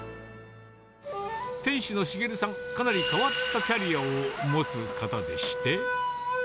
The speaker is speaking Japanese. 店主の繁さん、かなり変わったキャリアを持つ方でして。